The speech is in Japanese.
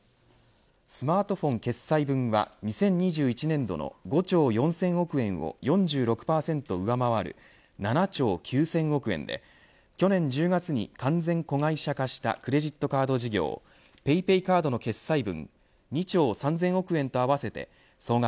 スマートフォン決済分は２０２１年度の５兆４０００億円を４６％上回る７兆９０００億円で去年１０月に完全子会社化したクレジットカード事業ＰａｙＰａｙカードの決済分２兆３０００億円と合わせて総額